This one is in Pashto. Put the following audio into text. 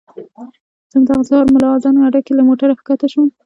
همدغسې سهار ملا اذان اډه کې له موټره ښکته شوم.